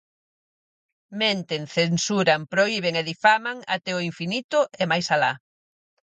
Menten, censuran, prohiben e difaman até o infinito e máis alá.